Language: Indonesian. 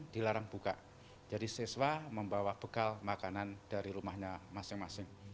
dan berikutnya lagi adalah bahwa